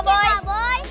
makasih banyak ya kak boy